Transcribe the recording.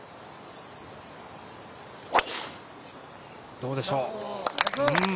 どうでしょう。